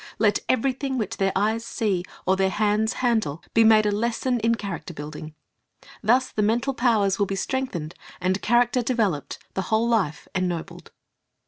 Let everything which their eyes see or their hands handle be made a lesson in character building. Thus the mental powers will be strengthened, the character developed, the whole Jife ennobled.